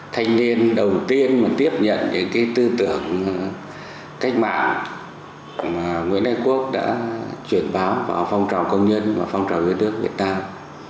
thành niên đầu tiên mà tiếp nhận những tư tưởng cách mạng mà nguyễn đại quốc đã truyền báo vào phong trào công nhân và phong trào dưới nước việt nam